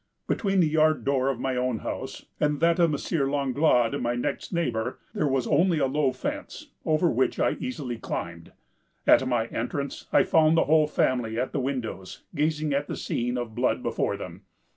"Between the yard door of my own house and that of M. Langlade, my next neighbor, there was only a low fence, over which I easily climbed. At my entrance, I found the whole family at the windows, gazing at the scene of blood before them.